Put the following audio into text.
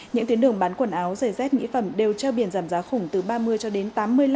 những tuyến đường bán quần áo giày dép mỹ phẩm đều treo biển giảm giá khủng từ ba mươi cho đến tám mươi năm